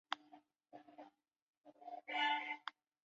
参赛棋手由国家围棋队选拔产生。